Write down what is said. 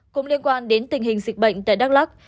cũng liên quan đến tình hình dịch bệnh tại đắk lắc